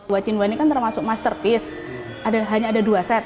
wacinwa ini kan termasuk masterpiece hanya ada dua set